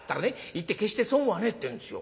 『行って決して損はねえ』ってんですよ。